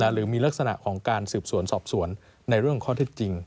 หรือมีลักษณะของการสืบสวนสอบสวนในเรื่องข้อเท็จจริง